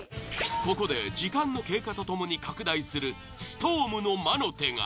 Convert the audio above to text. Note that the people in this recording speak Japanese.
ここで時間の経過と共に拡大するストームの魔の手が。